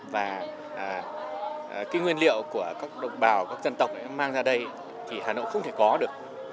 và cái nguyên liệu của các đồng bào các dân tộc mang ra đây thì hà nội không thể có được